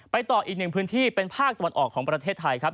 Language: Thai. ต่ออีกหนึ่งพื้นที่เป็นภาคตะวันออกของประเทศไทยครับ